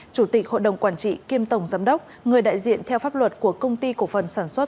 chủ tịch hội đồng quản trị kiêm tổng giám đốc người đại diện theo pháp luật của công ty cổ phần sản xuất